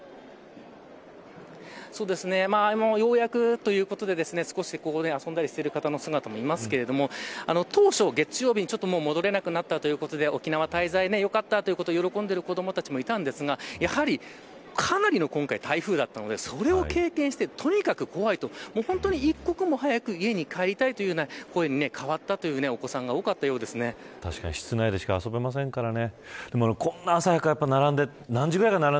お子さんたちの姿もちらほら見えますがようやくということで少し遊んでいる方もいますが当初、月曜日戻れくなったということで沖縄滞在よかったということ喜んでいる子どもたちもいましたがやはり、かなりの台風だったのでこれを経験して、とにかく怖いと一刻も早く家に帰りたいという声に変わったという確かに、室内でしか遊べませんからね。